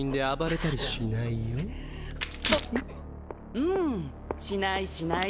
うんーしないしない。